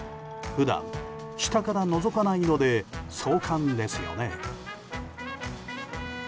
普段、下からのぞかないので壮観ですよね。